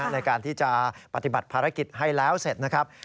ในการที่จะปฏิบัติภารกิจให้แล้วเสร็จนะครับ